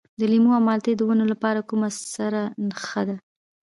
د لیمو او مالټې د ونو لپاره کومه سره ښه ده؟